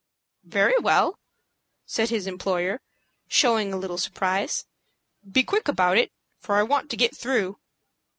"Very well," said his employer, showing a little surprise; "be quick about it, for I want to get through."